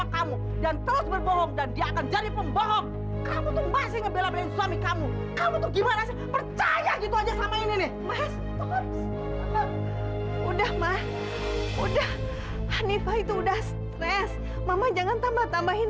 kamu jangan terlalu banyak mikir